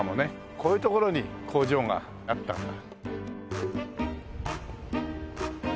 こういう所に工場があったんだ。